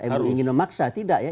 mu ingin memaksa tidak ya